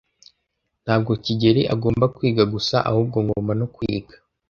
Ntabwo kigeli agomba kwiga gusa, ahubwo ngomba no kwiga.